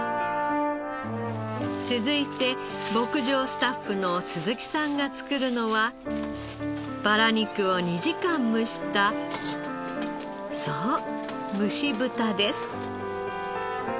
続いて牧場スタッフの鈴木さんが作るのはバラ肉を２時間蒸したそう蒸し豚です。